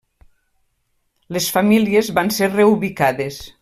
Les famílies van ser reubicades.